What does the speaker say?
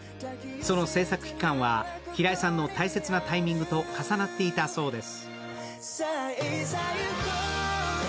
その制作期間は平井さんの大切なタイミングと重なっていたそうです。